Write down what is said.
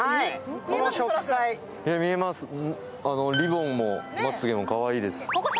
見えます、リボンもまつげもかわいいです。